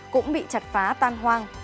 cũng bị chặt phá tan hoang